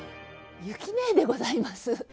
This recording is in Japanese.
ゆきねえでございます。